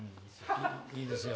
いいですよ。